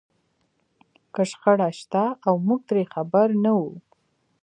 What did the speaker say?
که شخړه شته او موږ ترې خبر نه وو.